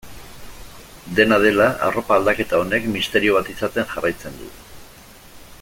Dena dela, arropa aldaketa honek misterio bat izaten jarraitzen du.